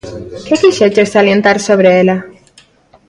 Que quixeches salientar sobre ela?